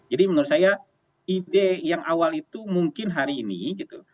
menurut saya ide yang awal itu mungkin hari ini gitu